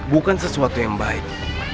bukan sesuatu yang baik